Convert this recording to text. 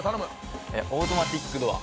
オートマティックドア。